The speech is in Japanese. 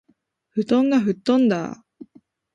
布団が吹っ飛んだあ